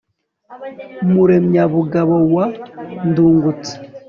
Muremyabugabo wa Ndungutse